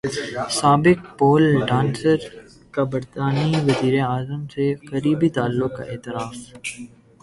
سابق pole dancer کا برطانوی وزیراعظم سے قریبی تعلق کا اعتراف